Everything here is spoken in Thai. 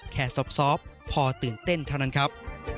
ซอบพอตื่นเต้นเท่านั้นครับ